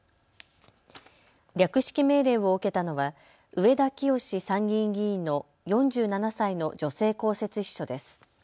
略式命令を受けたのは上田清司参議院議員の４７歳の女性公設秘書です。